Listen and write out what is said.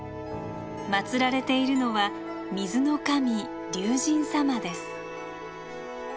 まつられているのは水の神龍神様です。